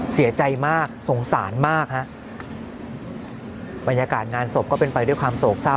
เสียใจมากสงสารมากฮะบรรยากาศงานศพก็เป็นไปด้วยความโศกเศร้า